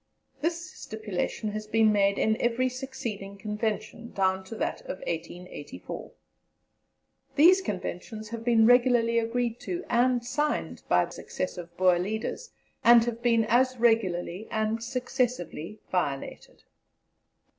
This stipulation has been made in every succeeding Convention down to that of 1884. These Conventions have been regularly agreed to and signed by successive Boer Leaders, and have been as regularly and successively violated.